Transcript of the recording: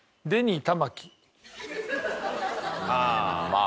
ああ。